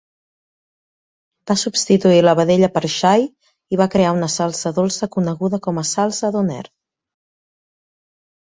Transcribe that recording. Va substituir la vedella per xai i va crear una salsa dolça coneguda com a salsa donair.